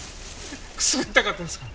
くすぐったかったですか？